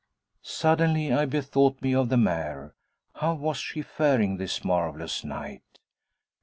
Suddenly I bethought me of the mare. How was she faring, this marvelous night?